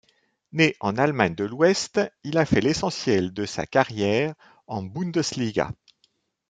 Né en Allemagne de l'Ouest, il a fait l'essentiel de sa carrière en Bundesliga.